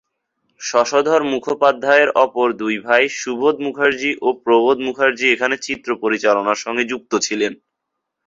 শশধর মুখোপাধ্যায়ের অপর দুই ভাই সুবোধ মুখার্জী ও প্রবোধ মুখার্জী এখানে চিত্র পরিচালনার সঙ্গে যুক্ত ছিলেন।